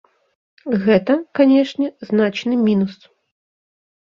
Гэта, канешне, значны мінус.